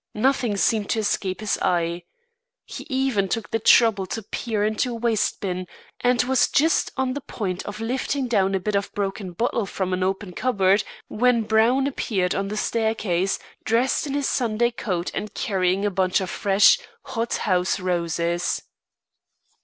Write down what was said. Nothing seemed to escape his eye. He even took the trouble to peer into a waste bin, and was just on the point of lifting down a bit of broken bottle from an open cupboard when Brown appeared on the staircase, dressed in his Sunday coat and carrying a bunch of fresh, hot house roses.